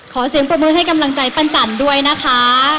ขอเสียงปรบมือให้กำลังใจปั้นจันด้วยนะคะ